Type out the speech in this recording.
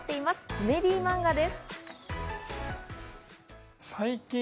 コメディーマンガです。